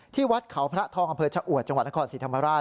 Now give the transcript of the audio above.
วัดเขาพระทองอำเภอชะอวดจังหวัดนครศรีธรรมราช